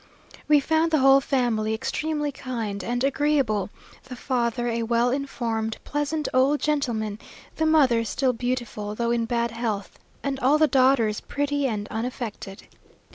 We found the whole family extremely kind and agreeable; the father a well informed, pleasant old gentleman, the mother still beautiful, though in bad health; and all the daughters pretty and unaffected.